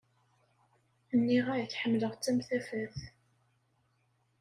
Niɣ-ak ḥemlaɣ-tt am tafat.